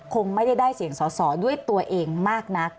คงไม่ได้ได้เสียงสอสอด้วยตัวเองมากนัก